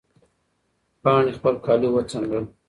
پاڼې خپل کالي وڅنډل.